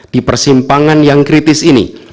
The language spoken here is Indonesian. di persimpangan yang kritis ini